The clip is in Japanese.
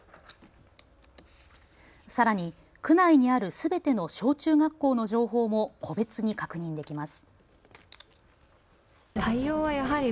さらに区内にあるすべての小中学校の情報も個別に確認できます。